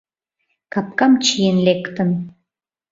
Капкам чиен лектын.